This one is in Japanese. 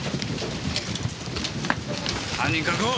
犯人確保！